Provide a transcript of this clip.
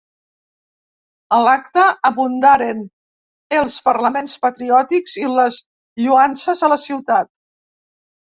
A l'acte abundaren els parlaments patriòtics i les lloances a la ciutat.